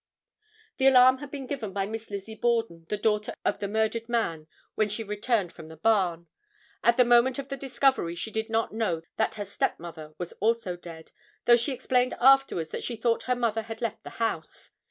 The alarm had been given by Miss Lizzie Borden, the daughter of the murdered man, when she returned from the barn. At the moment of the discovery she did not know that her stepmother was also dead, though she explained afterwards that she thought her mother had left the house.